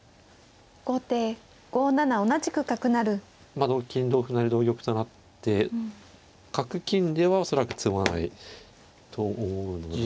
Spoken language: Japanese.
まあ同金同歩成同玉となって角金では恐らく詰まないと思うので。